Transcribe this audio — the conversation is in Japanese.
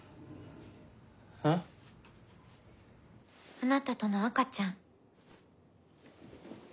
あなたとの赤ちゃん。